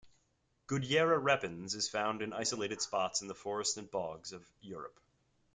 "Goodyera repens" is found in isolated spots in the forests and bogs of Europe.